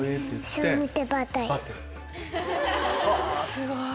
すごい！